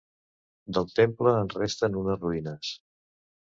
Del temple en resten unes ruïnes.